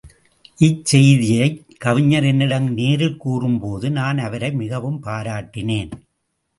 இச்செய்தியைக் கவிஞர் என்னிடம் நேரில் கூறியபோது நான் அவரை மிகவும் பாராட்டினேன்.